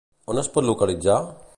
On es pot localitzar?